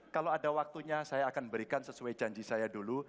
kalau ada waktunya saya akan berikan sesuai janji saya dulu